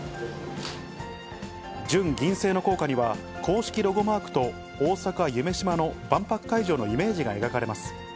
純銀製の硬貨には、公式ロゴマークと大阪・夢洲の万博会場のイメージが描かれます。